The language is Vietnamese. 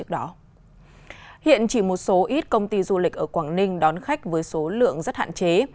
hiện chỉ một số ít công ty du lịch ở quảng ninh đón khách với số lượng rất hạn chế